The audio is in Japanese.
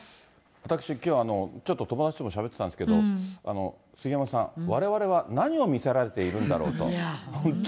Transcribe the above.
私、きょう、ちょっと友達ともしゃべってたんですけど、杉山さん、われわれは何を見せられているんだろうと、本当に。